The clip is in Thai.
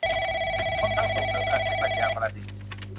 พร้อมทั้งส่งเสริมการใช้ปัญญาประดิษฐ์